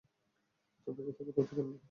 তোর বেঁচে থাকারও অধিকার নেই!